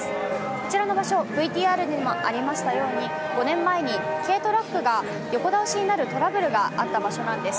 こちらの場所、ＶＴＲにもありましたように５年前に軽トラックが横倒しになるトラブルがあった場所なんです。